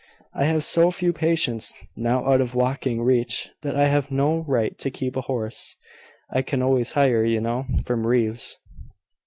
"I have so few patients now out of walking reach, that I have no right to keep a horse. I can always hire, you know, from Reeves."